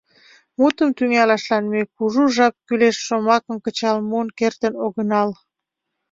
Мутым тӱҥалашлан ме кужу жап кӱлеш шомакым кычал муын кертын огынал.